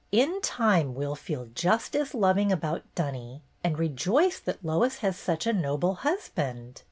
In time we 'll feel just as loving about Dunny, and rejoice that Lois has such a noble husband.